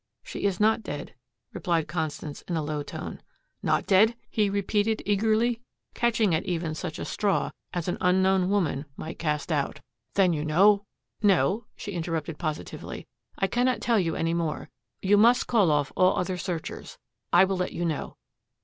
"She is not dead," replied Constance in a low tone. "Not dead?" he repeated eagerly, catching at even such a straw as an unknown woman might cast out. "Then you know " "No," she interrupted positively, "I cannot tell you any more. You must call off all other searchers. I will let you know."